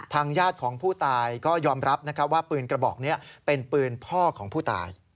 ญาติของผู้ตายก็ยอมรับนะครับว่าปืนกระบอกนี้เป็นปืนพ่อของผู้ตาย